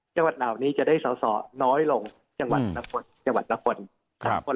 จังหวัดเหล่านี้จะได้สอสอน้อยลงจังหวัดละคนจังหวัดละคน